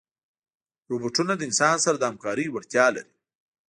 روبوټونه د انسان سره د همکارۍ وړتیا لري.